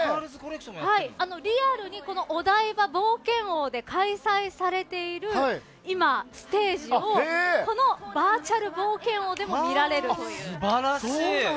リアルにお台場冒険王で開催されている今、ステージをこのバーチャル冒険王でも見られるという。